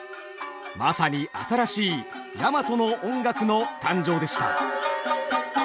まさに新しい大和の音楽の誕生でした。